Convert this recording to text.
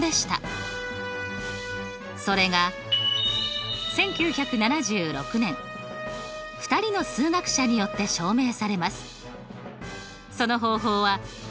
それが１９７６年２人の数学者によって証明されます。